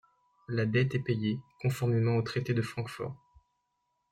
La dette est payée, conformément au traité de Francfort.